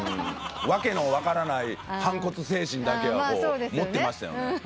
訳の分からない反骨精神だけは持ってましたよね。